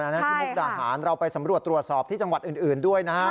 อันนั้นคือมุกตะหารเราไปสำรวจตรวจสอบที่จังหวัดอื่นด้วยนะฮะ